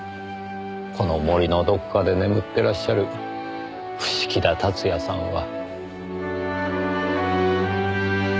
この森のどこかで眠ってらっしゃる伏木田辰也さんは。